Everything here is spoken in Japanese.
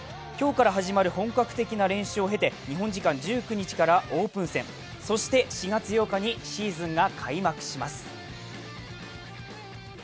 今日から始まる本格的な練習を経て日本時間１９日からオープン戦そして４月８日にシーズンが開幕します。